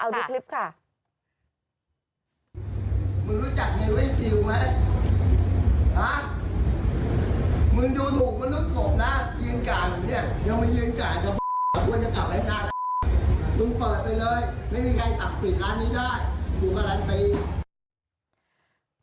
แต่พวกนี้กลับไว้ทางแล้วตรงเปิดไปเลยไม่มีใครกลับติดร้านนี้ได้ถูกการันตรี